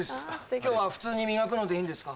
今日は普通に磨くのでいいんですか？